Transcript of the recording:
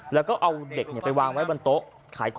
แล้วก็เอาเด็กไปวางไว้บนโต๊ะ